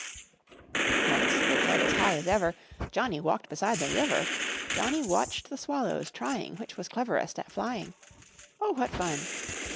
Once, with head as high as ever, Johnny walked beside the river. Johnny watched the swallows trying Which was cleverest at flying. Oh! what fun!